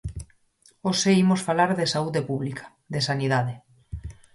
Hoxe imos falar de saúde pública, de sanidade.